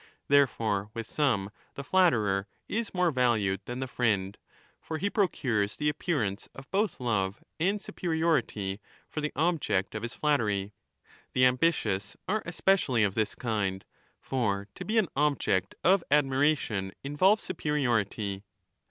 Therefore with some the flatterer is more valued than the friend, for he procures the appearance of both love and superiority 25 for the object of his flattery. The ambitious are especially of this kind ; for to be an object of admiration involves superiority.